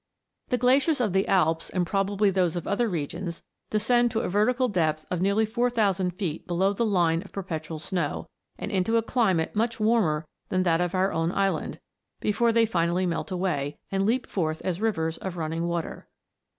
The glaciers of the Alps, and probably those of other regions, descend to a vertical depth of nearly 4000 feet below the line of perpetual snow, and into a climate much warmer than that of our own island, before they finally melt away, and leap forth as rivers of running water.